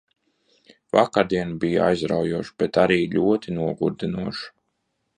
Vakardiena bija aizraujoša, bet arī ļoti nogurdinoša.